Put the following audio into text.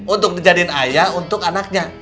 untuk ngejadin ayah untuk anaknya